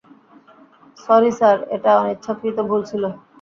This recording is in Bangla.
সরি স্যার, এটা অনিচ্ছাকৃত ভুল ছিল।